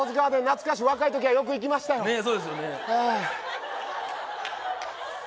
懐かしい若い時はよく行きましたよねえそうですよね